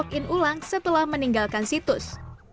kukis juga bisa diulang setelah meninggalkan situs